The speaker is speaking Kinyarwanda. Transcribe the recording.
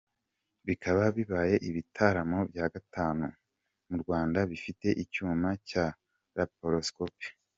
bikaba bibaye ibitaro bya gatanu mu Rwanda bifite icyuma cya Laparoscopy.